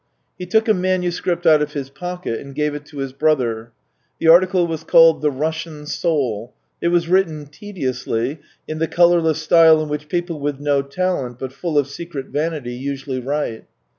He took a manuscript out of his pocket and gave it to his brother. The article was called " The Russian Soul "; it was written tediously, in the colourless style in which people with no talent, but full of secret vanity, usually write.